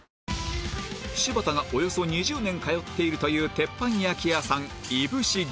柴田がおよそ２０年通っているという鉄板焼き屋さんいぶし銀